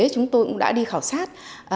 chúng tôi cũng đã đi khảo sát